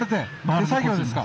手作業ですか？